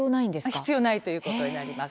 必要ないことになります。